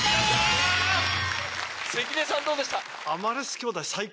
関根さんどうでした？